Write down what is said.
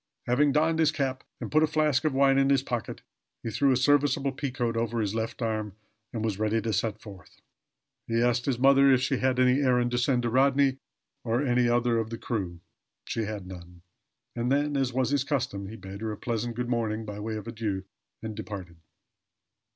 Having donned his cap, and put a flask of wine in his pocket, he threw a serviceable peacoat over his left arm, and was ready to set forth. He asked his mother if she had any errand to send to Rodney, or any other of the crew. She had none. And then, as was his custom, he bade her a pleasant "good morning," by way of adieu, and departed.